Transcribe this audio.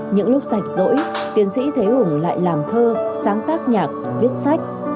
những lúc rảnh rỗi tiến sĩ thế hùng lại làm thơ sáng tác nhạc viết sách